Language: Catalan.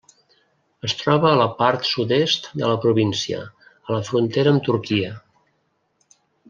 Es troba a la part sud-est de la província, a la frontera amb Turquia.